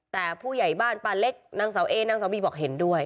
แต่ผู้ใหญ่บ้านป้าเล็กนางเสาเอนางเสาบีบอกเห็นด้วย